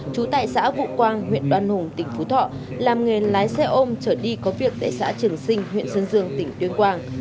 trú tại xã vũ quang huyện đoan hùng tỉnh phú thọ làm nghề lái xe ôm trở đi có việc tại xã trường sinh huyện sơn dương tỉnh tuyên quang